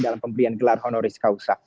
dalam pemberian gelar honoris causa